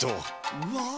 うわ。